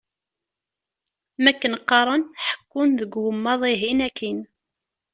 Ma akken qqaren, ḥekkun deg ugemmaḍ-ihin akin.